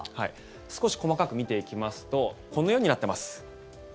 少し細かく見ていきますとこのようになっています。